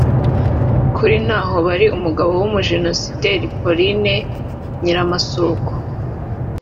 Kuri Ntahobari umugabo w’ umujenosideri Pauline Nyiramasuhuko